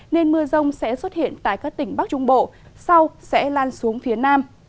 nên mưa rông sẽ xuất hiện tại các tỉnh bắc trung bộ sau sẽ lan xuống phía nam